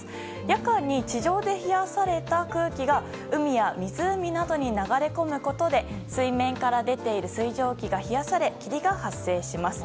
夜間に地上で冷やされた空気が海や湖などに流れ込むことで水面から出ている水蒸気が冷やされ、霧が発生します。